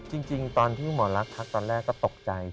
จริงตอนที่หมอลักษักตอนแรกก็ตกใจ